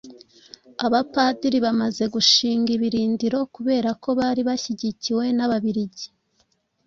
Abapadiri bamaze gushinga ibirindiro kubera ko bari bashyigikiwe n'Ababiligi